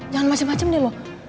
jangan macem macem deh lo